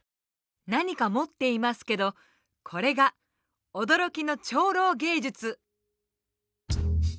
何か持っていますけどこれが驚きの超老芸術！